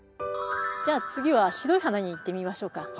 じゃあ次は白い花にいってみましょうか。